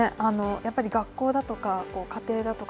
やはり学校だとか家庭だとか